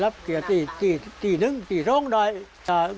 อนรับมาเกี่ยวอีกที่หนึ่งที่สองสัก